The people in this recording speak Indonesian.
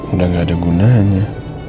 udah gak ada gunanya